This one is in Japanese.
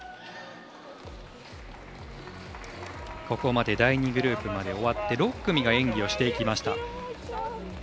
ここまで第２グループまで終わって６組が演技をしていきました。